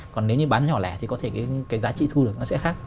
còn nếu như bán nhỏ lẻ thì có thể cái giá trị thu được nó sẽ khác